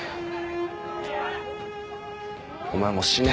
お前もう死ね。